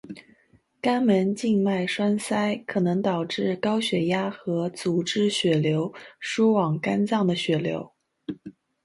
肝门静脉栓塞可能导致高血压和阻滞血流输往肝脏的血流。